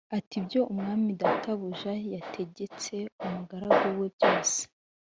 ati “Ibyo umwami databuja yategetse umugaragu we byose